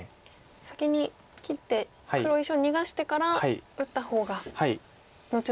先に切って黒石を逃がしてから打った方が後々いろいろと。